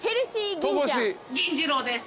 銀次郎です。